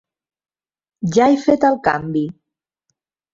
Ja he fet el canvi.